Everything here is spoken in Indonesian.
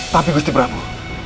tapi gusti prabu